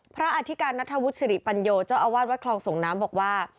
อธิการนัทธวุฒิสิริปัญโยเจ้าอาวาสวัดคลองส่งน้ำบอกว่า